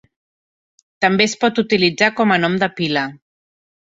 També es pot utilitzar com a nom de pila.